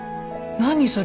何それ？